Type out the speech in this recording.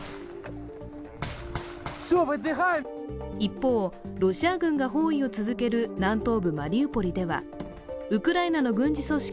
一方、ロシア軍が包囲を続ける南東部マリウポリではウクライナの軍事組織